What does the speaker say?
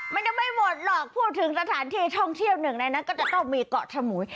มันยังไม่หมดหรอกพูดถึงสถานที่ท่องเที่ยวหนึ่งในนั้นก็จะต้องมีเกาะสมุย